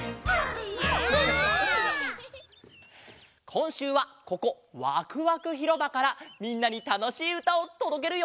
こんしゅうはここわくわくひろばからみんなにたのしいうたをとどけるよ！